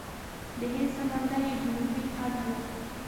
د هند سمندر یې جنوبي حد و.